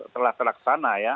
telah telaksana ya